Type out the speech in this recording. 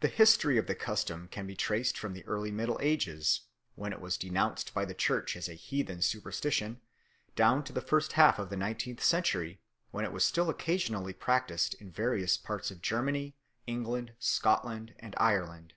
The history of the custom can be traced from the early Middle Ages, when it was denounced by the Church as a heathen superstition, down to the first half of the nineteenth century, when it was still occasionally practised in various parts of Germany, England, Scotland, and Ireland.